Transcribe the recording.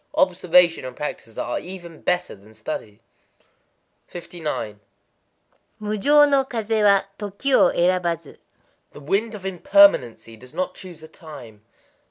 Observation and practice are even better than study. 59.—Mujō no kazé wa, toki erabazu. The Wind of Impermanency does not choose a time.